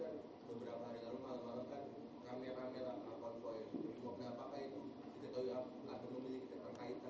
yang terkait dengan karya karya pembangunan kebijakan